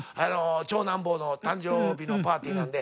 長男坊の誕生日のパーティーなんで。